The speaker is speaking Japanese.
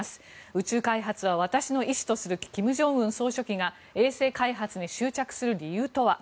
宇宙開発は私の意思とすると金正恩総書記が衛星開発に執着する理由とは。